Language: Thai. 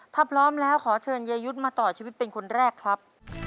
ถ้าพร้อมแล้วขอเชิญเยยุทธ์มาต่อชีวิตเป็นคนแรกครับ